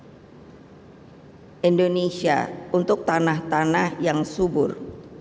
kami telah membuat peta indonesia untuk tanah tanah yang subur